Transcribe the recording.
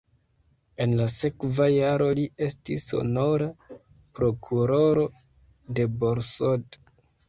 En la sekva jaro li estis honora prokuroro de Borsod.